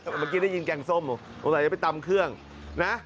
เมื่อกี้ได้ยินแกงส้มสงสัยจะไปตำเครื่องนะ